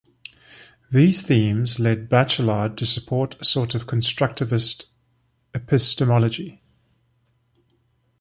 These themes led Bachelard to support a sort of constructivist epistemology.